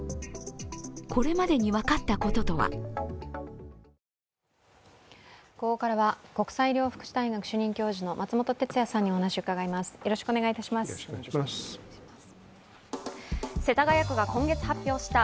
これまでに分かったこととはここからは、国際医療福祉大学の松本哲哉さんにお話を伺います。